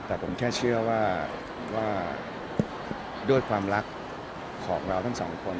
แต่ผมแค่เชื่อว่าด้วยความรักของเราทั้งสองคน